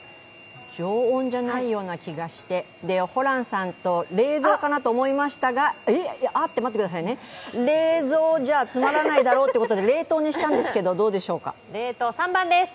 常温じゃないような気がして、ホランさんと冷蔵かなと思いましたが待ってくださいね、冷蔵じゃつまらないだろうということで冷凍にしたんですが、どうでしょうか？